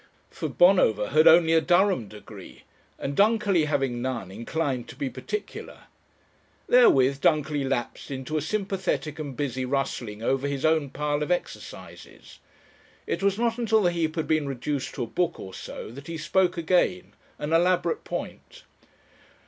For Bonover had only a Durham degree, and Dunkerley, having none, inclined to be particular. Therewith Dunkerley lapsed into a sympathetic and busy rustling over his own pile of exercises. It was not until the heap had been reduced to a book or so that he spoke again an elaborate point.